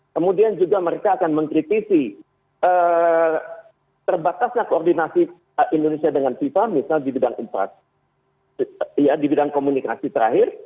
kemudian juga mereka akan mengkritisi terbatasnya koordinasi indonesia dengan fifa misalnya di bidang komunikasi terakhir